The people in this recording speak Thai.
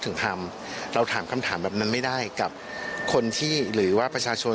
ถึงทำเราถามคำถามแบบนั้นไม่ได้กับคนที่หรือว่าประชาชน